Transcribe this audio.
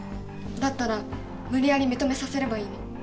だったら無理やり認めさせればいいの。